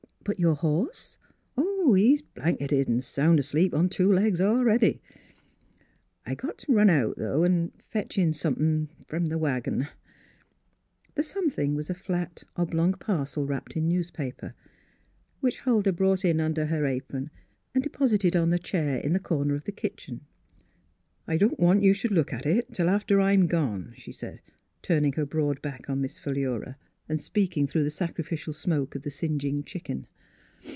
" But your — horse? "*' He's blanketed, an' sound asleep on two legs a'rcady. I got t' run out, though, an' fetch in somethin' out th' wagon." The something was a flat, oblong par cel wrapped in newspaper, which Huldah brought in under her apron and deposited on a chair in the corner of the kitchen. " I don't want you should look at it till after I'm gone," she said, turning her broad back on Miss Philura, and speak ing through the sacrificial smoke of the singeing chicken.